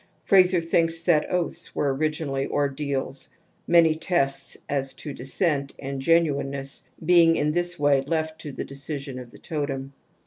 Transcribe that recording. Frazer thinks that oaths were originally ordeals, many tests as to descent and genuineness being in this way left to the decision of the totem.